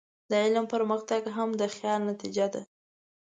د علم پرمختګ هم د خیال نتیجه ده.